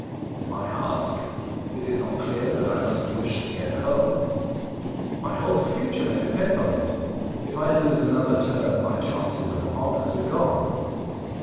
" Why ask ? Is it not clear that I must wish to get home ? My whole future may depend on it. If I lose another term my chances of honours are gone.